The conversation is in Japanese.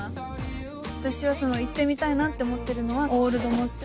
私は行ってみたいなって思ってるのはオールドモスク。